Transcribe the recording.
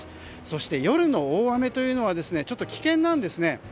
そして夜の大雨というのは危険なんですね。